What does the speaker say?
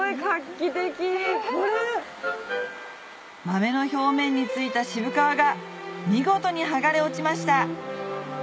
豆の表面に付いた渋皮が見事に剥がれ落ちました